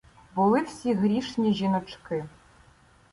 Були всі грішні жіночки.